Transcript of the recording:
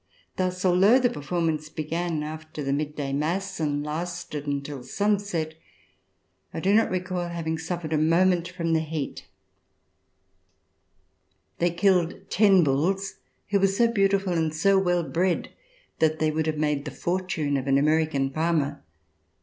Thus, although the performance began after the mid day mass and lasted until sunset, I do not recall having suffered a moment from the heat. RECOLLECTIONS OF THE REVOLUTION They killed ten bulls, who were so beautiful and so well bred that they would have made the fortune of an American farmer.